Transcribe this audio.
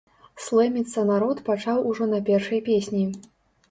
Слэміцца народ пачаў ужо на першай песні.